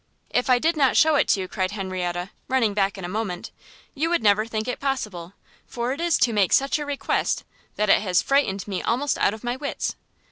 "If I did not shew it you," cried Henrietta, running back in a moment, "you would never think it possible, for it is to make such a request that it has frightened me almost out of my wits!"